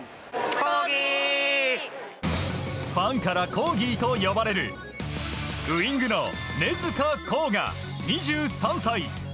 ファンからコーギーと呼ばれるウィングの根塚洸雅、２３歳。